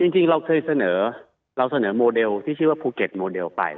จริงเราเคยเสนอเราเสนอโมเดลที่ชื่อว่าภูเก็ตโมเดลไป